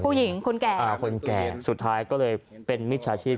ผู้หญิงคุณแก่ค่ะคุณตู้เย็นค่ะสุดท้ายก็เลยเป็นมิตรสาชีพ